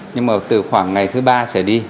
nhưng mà từ khoảng ngày thứ ba trở đi